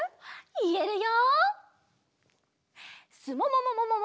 いえるよ！